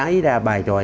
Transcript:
với ra bài tròi